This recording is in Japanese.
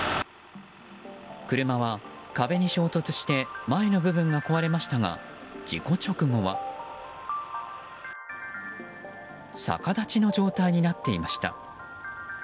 車は壁に衝突して前の部分が壊れましたが事故直後は逆立ちの状態になっていました。